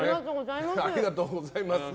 ありがとうございます。